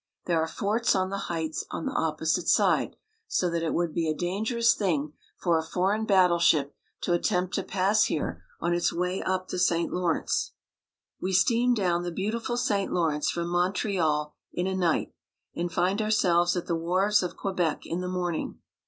There are forts on the heights on the opposite side, so that it would be a dan gerous thing for a foreign battle ship to attempt to pass here on its way up the St. Lawrence. We steam down the beautiful St. Lawrence from Mon treal in a night, and find ourselves at the wharves of Que bec in the morning.